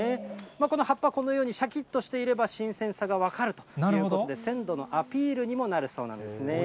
この葉っぱ、このようにしゃきっとしていれば新鮮さが分かるということで、鮮度のアピールにもなるそうなんですね。